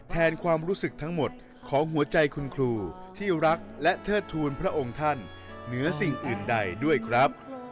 ความรู้สึกทั้งหมดของหัวใจคุณครูที่รักและเทิดทูลพระองค์ท่านเหนือสิ่งอื่นใดด้วยครับ